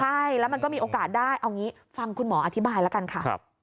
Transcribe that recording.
ใช่แล้วมันก็มีโอกาสได้เอางี้ฟังคุณหมออธิบายแล้วกันค่ะ